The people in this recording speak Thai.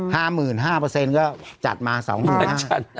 ห้าหมื่นห้าเปอร์เซ็นต์ก็จัดมาสองหมื่น